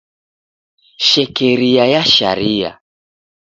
Shekeria ya sharia.